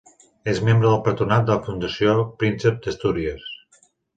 És membre del Patronat de la Fundació Príncep d'Astúries.